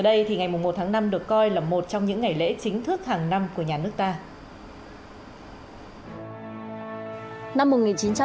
đây thì ngày một một năm được coi là một ngày nhạc tất chiều lètres để phát triển lãnh đạo nội kinh tế châu